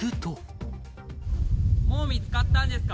もう見つかったんですか？